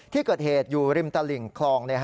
ที่เกิดเหตุอยู่ริมตลิ่งคลอง